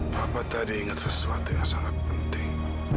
bapak tadi ingat sesuatu yang sangat penting